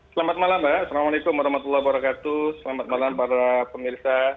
selamat malam mbak assalamualaikum warahmatullahi wabarakatuh selamat malam para pemirsa